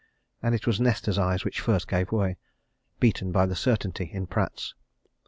And it was Nesta's eyes which first gave way beaten by the certainty in Pratt's.